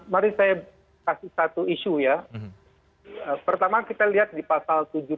mari saya kasih satu isu ya